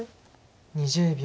２０秒。